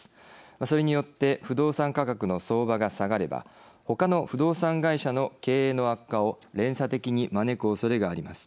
それによって不動産価格の相場が下がればほかの不動産会社の経営の悪化を連鎖的に招くおそれがあります。